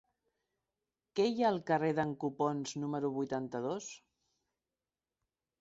Què hi ha al carrer d'en Copons número vuitanta-dos?